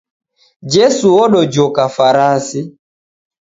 Jesu odojoka farasi.